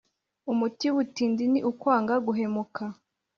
Umuti w’ubutindi ni ukwanga guhemuka.